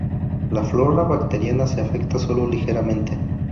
La flora bacteriana se afecta sólo ligeramente.